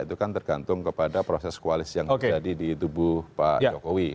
itu kan tergantung kepada proses koalisi yang terjadi di tubuh pak jokowi